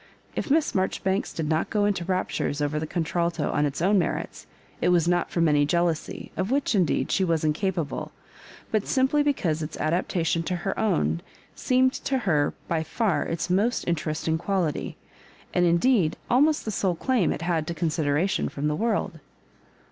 If Miss Marjoribanks did not go into raptures over the contraltoon its own merits, it was not from any jealousy, of which, indeed, she was incapable, but simply because its adaptation to her own seemed to her by far its most interesting quality, and indeed almost the sole claim it had to con sideration from the world.